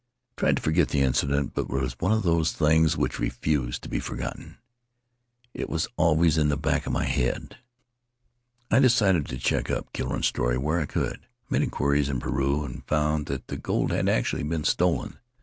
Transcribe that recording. "I tried to forget the incident, but it was one of those things which refuse to be forgotten. It was always in the back of my head. I decided to check up Killo rain's story where I could. I made inquiries in Peru, and found that the gold had actually been stolen.